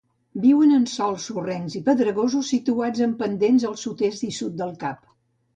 Viuen en sòls sorrencs i pedregosos situats en pendents al sud-est i sud del Cap.